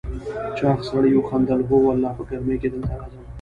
چاغ سړي وخندل: هو والله، په ګرمۍ کې دلته راځم.